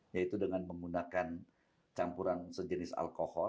yaitu dengan menggunakan campuran sejenis alkohol